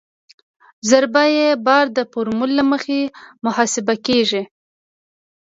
ضربه یي بار د فورمول له مخې محاسبه کیږي